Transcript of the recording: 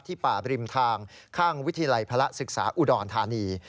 ป่าบริมทางข้างวิทยาลัยพระศึกษาอุดรธานี